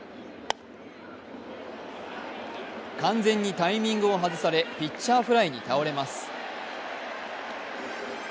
完全にタイミングを外され、ピッチャーフライに倒れます。